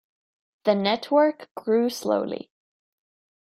The network grew slowly.